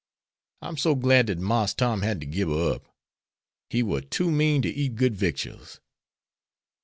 I'm so glad dat Marse Tom had to gib her up. He war too mean to eat good victuals."